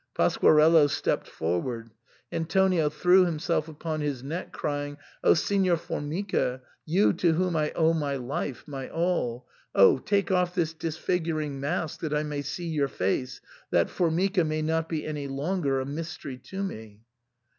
Pasquarello stepped forward. Antonio threw himself upon his neck, crying, "O Signor Formica, you to whom I owe my life, my all — oh ! take off this disfigur ing mask, that I may see your face, that Formica may not be any longer a mystery to me."